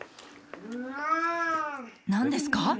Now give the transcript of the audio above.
何ですか！？